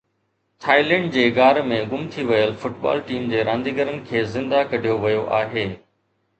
Thailand جي غار ۾ گم ٿي ويل فٽبال ٽيم جي رانديگرن کي زنده ڪڍيو ويو آهي